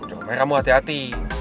jangan meramu hati hati